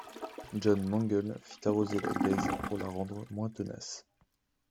John Mangles fit arroser la glaise pour la rendre moins tenace.